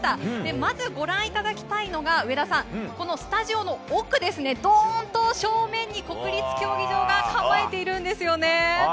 まずご覧いただきたいのが上田さんスタジオの奥ドーンと正面に国立競技場が構えているんですよね。